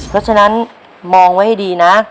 เพราะฉะนั้นมองไว้ให้ดีนะ